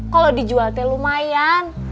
kalo dijual teh lumayan